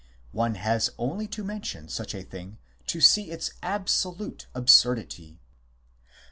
One has only to mention such a thing to see its absolute absurdity.